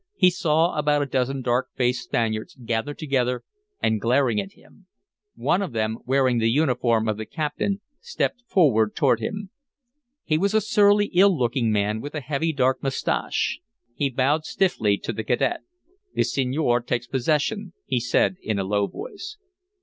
He saw about a dozen dark faced Spaniards gathered together and glaring at him; one of them, wearing the uniform of the captain, stepped forward toward him. He was a surly, ill looking man, with a heavy dark mustache. He bowed stiffly to the cadet. "The senor takes possession," he said, in a low voice.